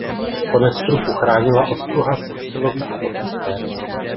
Konec trupu chránila ostruha z ocelových plochých per.